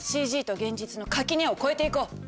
ＣＧと現実の垣根を超えて行こう。